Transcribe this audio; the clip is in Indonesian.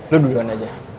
lo duduan aja